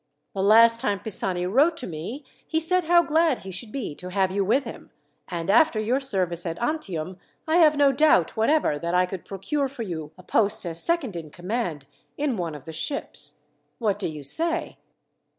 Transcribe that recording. "The last time Pisani wrote to me he said how glad he should be to have you with him; and after your service at Antium, I have no doubt whatever that I could procure for you a post as second in command in one of the ships. What do you say?"